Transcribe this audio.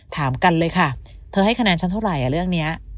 ถามกันเลยค่ะเธอให้คะแนนฉันเท่าไหร่เรื่องนี้